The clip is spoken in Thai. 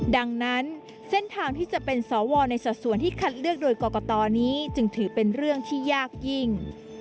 ดังนั้นเส้นทางที่จะเป็นสวในสัดส่วนที่คัดเลือกโดยกรกตนี้จึงถือเป็นเรื่องที่ยากยิ่ง